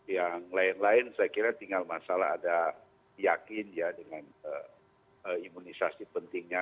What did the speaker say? yang lain lain saya kira tinggal masalah ada yakin ya dengan imunisasi pentingnya